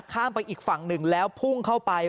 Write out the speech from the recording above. ข้ามไปอีกฝั่งหนึ่งแล้วพุ่งเข้าไป